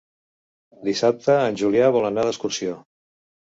Dissabte en Julià vol anar d'excursió.